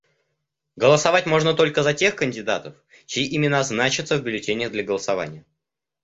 Голосовать можно только за тех кандидатов, чьи имена значатся в бюллетенях для голосования.